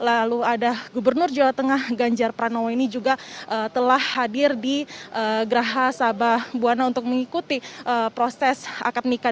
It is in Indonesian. lalu ada gubernur jawa tengah ganjar pranowo ini juga telah hadir di geraha sabah buwana untuk mengikuti proses akad nikah